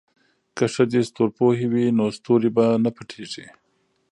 که ښځې ستورپوهې وي نو ستوري به نه پټیږي.